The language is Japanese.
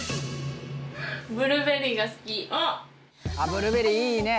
ブルーベリーいいね。